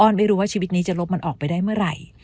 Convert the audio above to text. ไม่รู้ว่าชีวิตนี้จะลบมันออกไปได้เมื่อไหร่